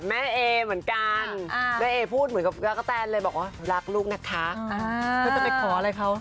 เจ๊จะไปขออะไระเขา